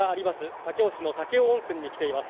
武雄市の武雄温泉に来ています。